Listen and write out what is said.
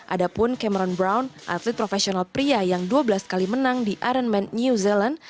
ada pun cameron brown atlet profesional pria yang dua belas kali menang di ironman new zealand